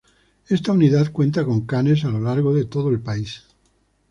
Esta unidad cuenta con canes a lo largo de todo el país.